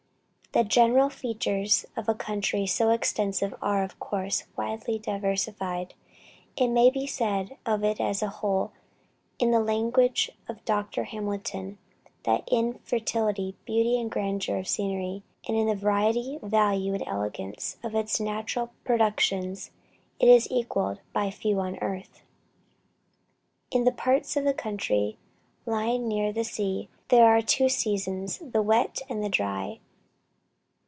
"The general features of a country so extensive are, of course, widely diversified. It may be said of it as a whole, in the language of Dr. Hamilton, that in fertility, beauty and grandeur of scenery, and in the variety, value, and elegance of its natural productions, it is equalled by few on earth." In the parts of the country lying near the sea there are two seasons, the wet and the dry.